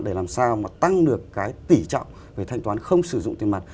để làm sao mà tăng được cái tỉ trọng về thanh toán không sử dụng tiền mặt